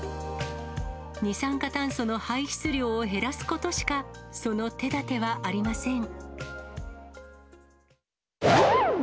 二酸化炭素の排出量を減らすことしか、その手だてはありません。